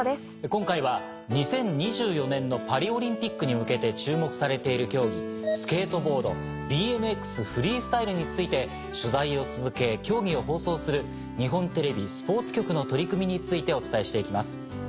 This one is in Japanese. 今回は２０２４年のパリオリンピックに向けて注目されている競技スケートボードＢＭＸフリースタイルについて取材を続け競技を放送する日本テレビスポーツ局の取り組みについてお伝えして行きます。